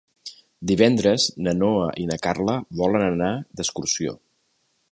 Divendres na Noa i na Carla volen anar d'excursió.